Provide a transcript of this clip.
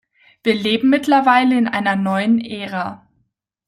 Wir leben mittlerweile in einer neuen Ära.